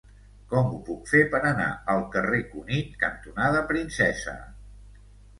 Com ho puc fer per anar al carrer Cunit cantonada Princesa?